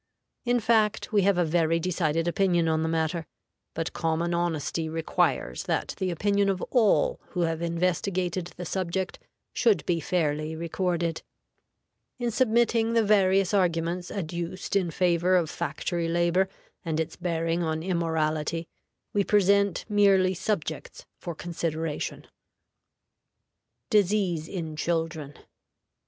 In fact, we have a very decided opinion on the matter, but common honesty requires that the opinion of all who have investigated the subject should be fairly recorded. In submitting the various arguments adduced in favor of factory labor and its bearing on immorality, we present merely subjects for consideration. DISEASE IN CHILDREN.